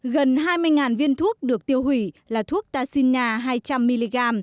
gần hai mươi viên thuốc được tiêu hủy là thuốc taxina hai trăm linh mg